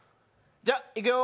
じゃあ、いくよ。